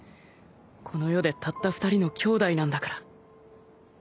この世でたった２人のきょうだいなんだから。